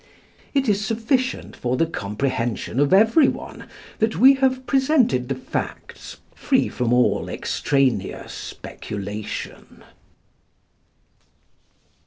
It is sufficient for the comprehension of everyone that we have presented the facts from all extraneous speculation.